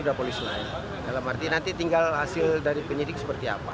dalam arti nanti tinggal hasil dari penyidik seperti apa